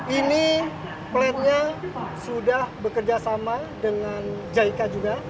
ini plannya sudah bekerja sama dengan jika juga